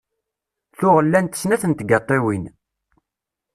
Tuɣ llant snat n tgaṭiwin.